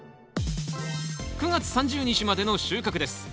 ９月３０日までの収穫です。